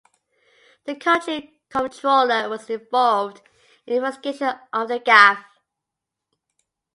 The country comptroller was involved in the investigation of the gaffe.